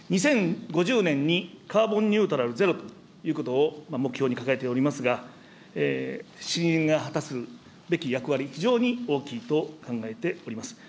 ２０５０年にカーボンニュートラルゼロということを目標に掲げておりますが、森林が果たすべき役割、非常に大きいと考えております。